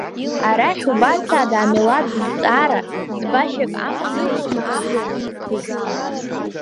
Арахь убас ада амилаҭ зҵаара ӡбашьак аманы ибаӡомызт.